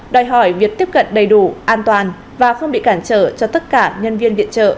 đòi hỏi việc tiếp cận đầy đủ an toàn và không bị cản trở cho tất cả nhân viên viện trợ